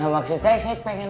maksudnya saya pengen